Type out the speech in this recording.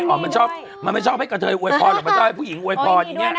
โอ้ยมีด้วยมันไม่ชอบให้กับเธอโวยพรหรอกมันชอบให้ผู้หญิงโวยพรอย่างเนี่ย